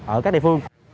ở các địa phương